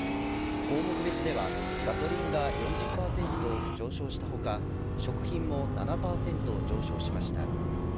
項目別ではガソリンが４０％上昇した他食品も７％上昇しました。